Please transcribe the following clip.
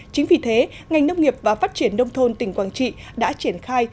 chính vì thế ngành nông nghiệp và phát triển nông thôn tỉnh quảng trị đã triển khai